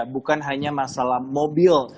bukan hanya masalah mobil